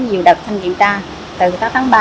nhiều đợt thanh kiểm tra từ tháng ba